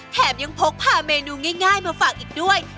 แถมยังพกพาเมนูง่ายมาฝากอีกด้วย